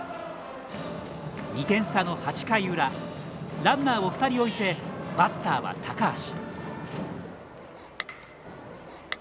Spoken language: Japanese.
２点差の８回裏ランナーを２人置いてバッターは高橋。